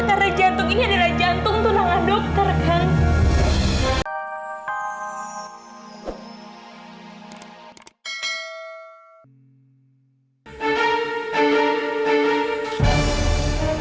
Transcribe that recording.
karena jantung ini adalah jantung tunangan dokter kan